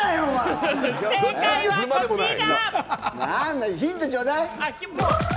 正解はこちら！